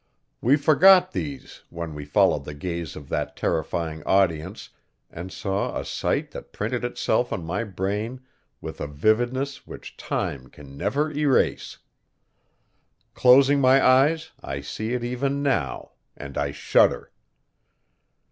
We forgot these when we followed the gaze of that terrifying audience and saw a sight that printed itself on my brain with a vividness which time can never erase. Closing my eyes, I see it even now, and I shudder.